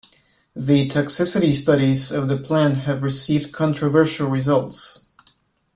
The toxicity studies of the plant have received controversial results.